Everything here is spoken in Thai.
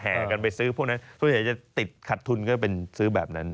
แหงกันไปซื้อพวกนั้นทุกคนอยากจะติดขัดทุนจะเป็นซื้อแบบนั้น